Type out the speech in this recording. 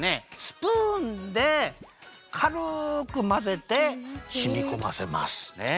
スプーンでかるくまぜてしみこませますね！